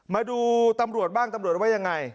มาดูตำรวจบ้างตำรวจว่ายังไง